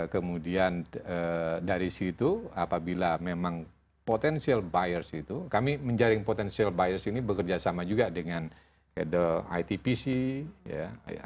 kemudian dari situ apabila memang potential buyers itu kami menjaring potential buyers ini bekerja sama juga dengan itpc ya